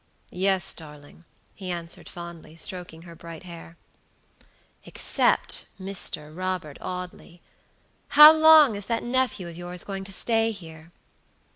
"Yes, darling," he answered fondly, stroking her bright hair. "Except Mr. Robert Audley. How long is that nephew of yours going to stay here?"